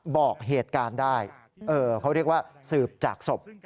บอกเหตุการณ์ได้เขาเรียกว่าสืบจากศพ